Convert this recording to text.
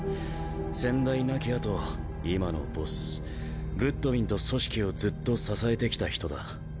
先代亡き後今のボスグッドウィンと組織をずっと支えてきた人だ。